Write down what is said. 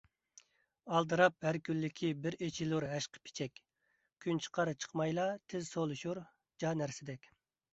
ئالدىراپ ھەركۈنلۈكى بىر ئېچىلۇر ھەشقىپىچەك، كۈن چىقار - چىقمايلا تېز سولىشۇر جا نەرسىدەك.